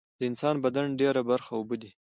د انسان بدن ډیره برخه اوبه دي